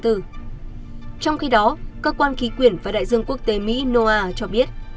trong khi đó cơ quan khí quyển và đại dương quốc tế mỹ noa cho biết